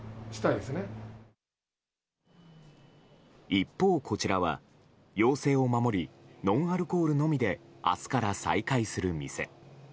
一方、こちらは要請を守りノンアルコールのみで明日から再開する店。